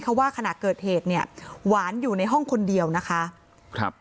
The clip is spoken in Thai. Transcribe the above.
เขาว่าขณะเกิดเหตุเนี่ยหวานอยู่ในห้องคนเดียวนะคะครับ